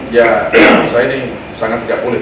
ya menurut saya ini sangat tidak boleh